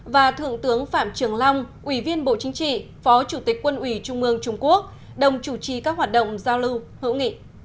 và thượng tướng phạm trường long ủy viên bộ chính trị phó chủ tịch quân ủy trung ương trung quốc đồng chủ trì các hoạt động giao lưu hữu nghị